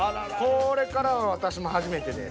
これからは私も初めてです。